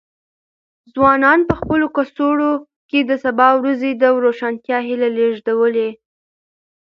ځوانانو په خپلو کڅوړو کې د سبا ورځې د روښانتیا هیلې لېږدولې.